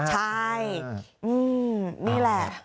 ใช่นี่แหละ